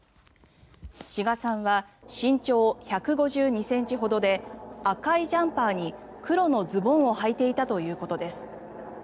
志賀さんは身長１５２ｃｍほどで赤いジャンパーに黒のズボンをはいていたということです。